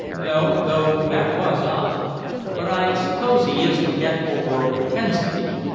"No, though that was odd. But I suppose he is forgetful, or pretends to be.